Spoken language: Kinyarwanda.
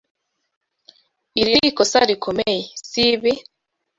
Iri ni ikosa rikomeye, sibi?